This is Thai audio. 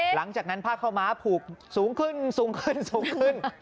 หลังจากนั้นผ้าข้าวม้าผูกสูงขึ้นสูงขึ้นสูงขึ้น